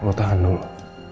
lo tahan dulu